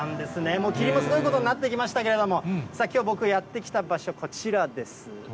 もう霧もすごいことになってきましたけれども、さあ、きょう、僕がやって来た場所、こちらです。